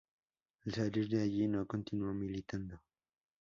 Al salir de allí no continuó militando.